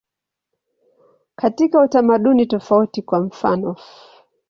Katika utamaduni tofauti, kwa mfanof.